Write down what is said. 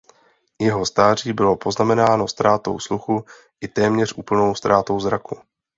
Jeho stáří bylo poznamenáno ztrátou sluchu i téměř úplnou ztrátou zraku.